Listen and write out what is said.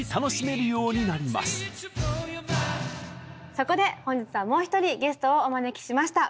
そこで本日はもう１人ゲストをお招きしました。